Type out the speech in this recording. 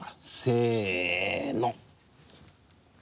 せの。